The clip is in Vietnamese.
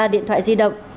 ba điện thoại di động